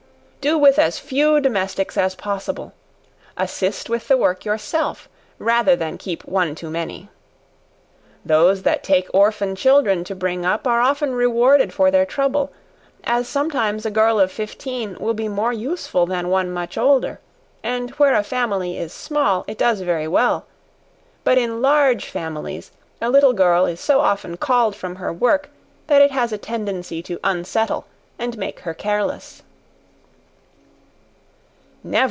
Do with as few domestics as possible; assist with the work yourself, rather than keep one too many. Those that take orphan children to bring up, are often rewarded for their trouble; as sometimes a girl of fifteen will be more useful than one much older: and where a family is small it does very well, but in large families, a little girl is so often called from her work, that it has a tendency to unsettle and make her careless.